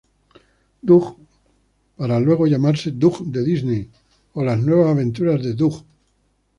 Doug para luego llamarse Doug de Disney o Las nuevas aventuras de Doug.